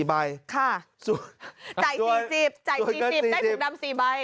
จ่าย๔๐ได้ฝุ่งดำ๔ใบ